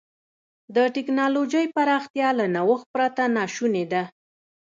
د ټکنالوجۍ پراختیا له نوښت پرته ناشونې ده.